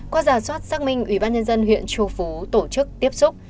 qua giả soát xác minh ủy ban nhân dân huyện châu phú tổ chức tiếp xúc